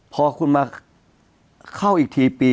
พอคุณเข้าอีกทีปี๖๒๒